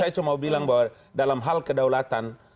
saya cuma bilang bahwa dalam hal kedaulatan